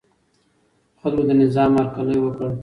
خلکو د نظام هرکلی وکړ.